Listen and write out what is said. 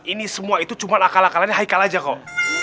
ini semua itu cuma akal akalnya haikal aja kok